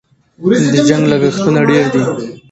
د جنګ لګښتونه ډېر دي.